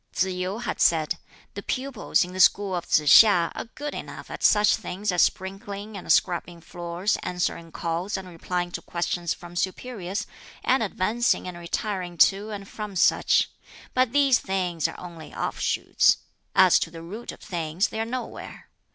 Tsz yu had said, "The pupils in the school of Tsz hiŠ are good enough at such things as sprinkling and scrubbing floors, answering calls and replying to questions from superiors, and advancing and retiring to and from such; but these things are only offshoots as to the root of things they are nowhere.